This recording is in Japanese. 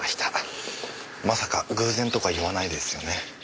まさか偶然とか言わないですよね？